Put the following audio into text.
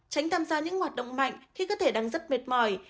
tránh tham gia những hoạt động mạnh khi có thể đang rất mệt mỏi